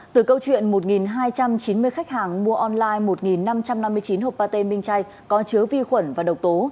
từ câu chuyện một hai trăm chín mươi khách hàng mua online một năm trăm năm mươi chín hộp pate minh chay có chứa vi khuẩn và độc tố